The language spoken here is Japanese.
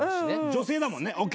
女性だもんねＯＫ。